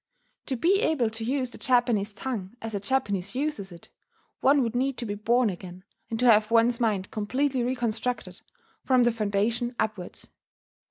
To be able to use the Japanese tongue as a Japanese uses it, one would need to be born again, and to have one's mind completely reconstructed, from the foundation upwards.